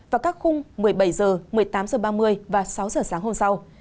vào các khung một mươi bảy h một mươi tám h ba mươi và sáu h sáng hôm sau